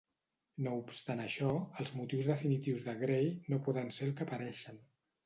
No obstant això, els motius Definitius de Grey no poden ser el que apareixen.